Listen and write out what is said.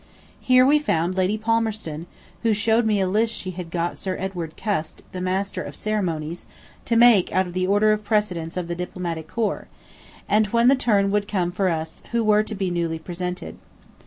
Here we found Lady Palmerston, who showed me a list she had got Sir Edward Cust, the master of ceremonies, to make out of the order of precedence of the Diplomatic Corps, and when the turn would come for us who were to be newly presented.